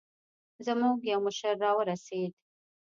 زموږ يو مشر راورسېد.